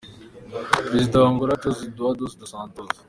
Perezida wa Angola, Jose Eduardo dos Santos